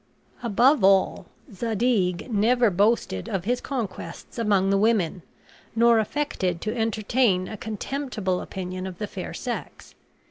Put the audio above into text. Above all, Zadig never boasted of his conquests among the women, nor affected to entertain a contemptible opinion of the fair sex.